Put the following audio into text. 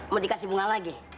mau dikasih bunga lagi